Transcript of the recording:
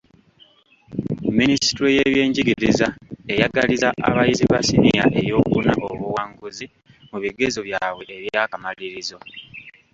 Minisitule y'ebyenjigiriza eyagaliza abayizi ba siniya eyookuna obuwanguzi mu bigezo byabwe eby'akamalirizo.